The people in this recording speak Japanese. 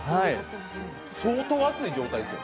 相当熱い状態ですか？